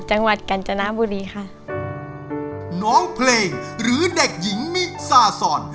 จังหวัดกาญจนบุรีค่ะน้องเพลงหรือเด็กหญิงมิซ่าซอน